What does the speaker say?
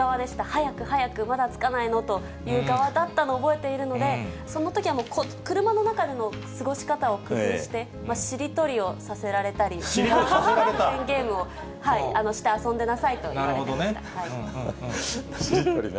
早く早く、まだ着かないの？という側だったのを覚えているので、そのときはもう、車の中での過ごし方を工夫して、しりとりをさせられたり、ゲームをして遊んでなさいと言われましりとりね。